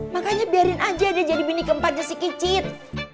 makanya biarin aja dia jadi bindi keempatnya si kicit